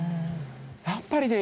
やっぱりね